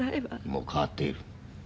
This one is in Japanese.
もう変わっている。